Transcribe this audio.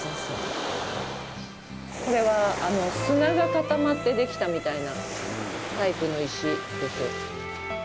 これは砂が固まってできたみたいなタイプの石ですよ。